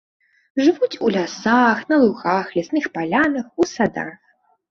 Жывуць у лясах, на лугах, лясных палянах, у садах.